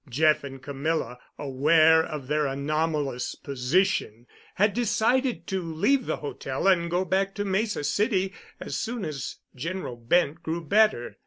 Jeff and Camilla, aware of their anomalous position, had decided to leave the hotel and go back to Mesa City as soon as General Bent grew better.